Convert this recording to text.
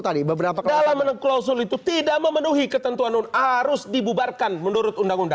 tadi beberapa dalam klausul itu tidak memenuhi ketentuan harus dibubarkan menurut undang undang